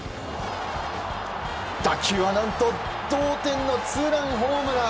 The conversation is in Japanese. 打球は何と、同点のツーランホームラン。